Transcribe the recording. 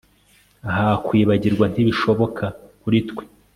Ah Kwibagirwa ntibishoboka kuri twe